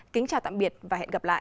kính chào tạm biệt và hẹn gặp lại